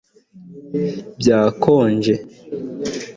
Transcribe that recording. Byakonje